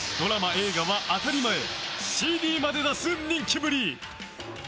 映画は当たり前ＣＤまで出す人気ぶり。